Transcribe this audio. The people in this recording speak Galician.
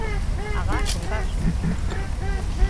Agás un caso!